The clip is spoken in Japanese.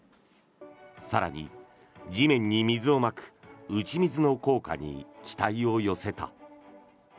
更に、地面に水をまく打ち水の効果に期待を寄せた。